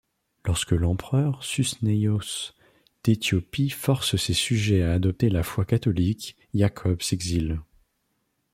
Lorsque l'empereur Susneyos d'Éthiopie force ses sujets à adopter la foi catholique, Yacob s'exile.